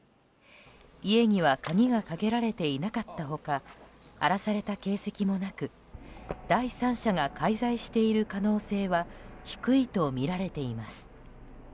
家には鍵がかけられていなかった他荒らされた形跡もなく第三者が介在している可能性は低いとみられています。